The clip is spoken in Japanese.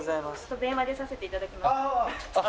電話出させていただきましたああ・あっ